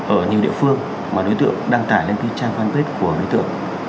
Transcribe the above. ở nhiều địa phương mà đối tượng đăng tải lên trang fanpage của đối tượng